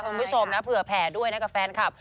คุณผู้ชมนะเผื่อแผ่ด้วยนะกับแฟนคลับ